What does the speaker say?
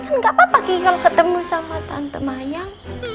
kan gak apa apa ki kalau ketemu sama tante mayang